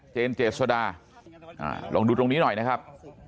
เจษดาลองดูตรงนี้หน่อยนะครับ